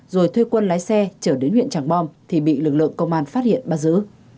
rồi thuê quân lái xe trở đến huyện tràng bom thì bị lực lượng công an phát hiện bắt giữ